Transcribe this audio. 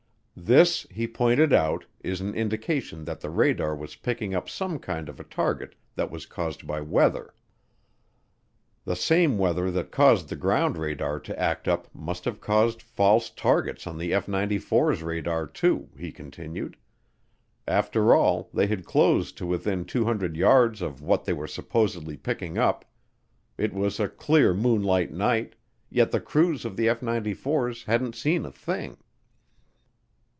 This, he pointed out, is an indication that the radar was picking up some kind of a target that was caused by weather. The same weather that caused the ground radar to act up must have caused false targets on the F 94's radar too, he continued. After all, they had closed to within 200 yards of what they were supposedly picking up; it was a clear moonlight night, yet the crews of the F 94's hadn't seen a thing.